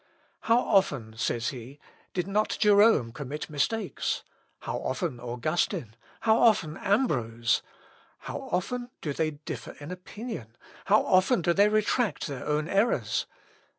"How often," says he, "did not Jerome commit mistakes, how often Augustine, how often Ambrose; how often do they differ in opinion, how often do they retract their own errors